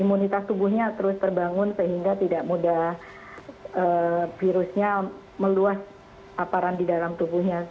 imunitas tubuhnya terus terbangun sehingga tidak mudah virusnya meluas aparan di dalam tubuhnya